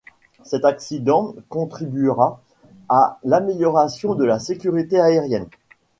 Cet accident contribuera à l'amélioration de la sécurité aérienne.